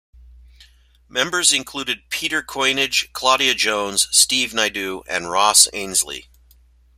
Members included Peter Koinange, Claudia Jones, Steve Naidoo and Ros Ainslie.